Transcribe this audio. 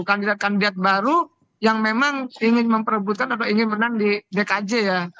kandidat kandidat baru yang memang ingin memperebutkan atau ingin menang di dkj ya